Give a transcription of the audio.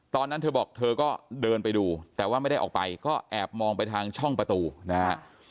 ตอนนั้นเธอบอกเธอก็เดินไปดูแต่ว่าไม่ได้ออกไปก็แอบมองไปทางช่องประตูนะฮะ